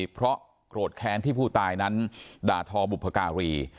เพราะโกรธแค้นที่ผู้ตายนั้นด่าทอบุพการี